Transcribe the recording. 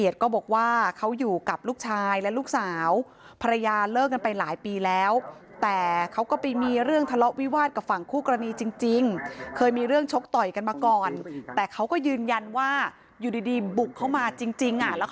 แต่เขาก็ยืนยันว่าอยู่ดีบุกเข้ามาจริง